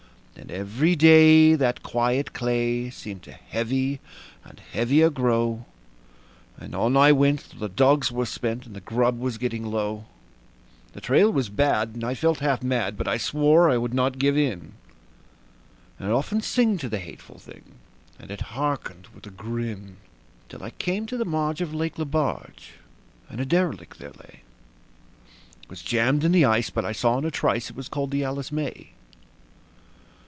And every day that quiet clay seemed to heavy and heavier grow; And on I went, though the dogs were spent and the grub was getting low; The trail was bad, and I felt half mad, but I swore I would not give in; And I'd often sing to the hateful thing, and it hearkened with a grin. Till I came to the marge of Lake Lebarge, and a derelict there lay; It was jammed in the ice, but I saw in a trice it was called the "Alice May".